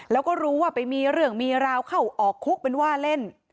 แล้วก็รู้ว่าไปมีเรื่องมีราวเข้าออกคุกเป็นว่าเล่น